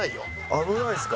危ないですか？